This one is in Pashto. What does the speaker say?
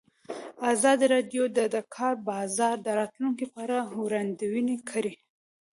ازادي راډیو د د کار بازار د راتلونکې په اړه وړاندوینې کړې.